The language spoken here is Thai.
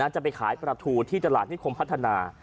จะไปขายปลาทูที่ตลาดนิคมพัฒนา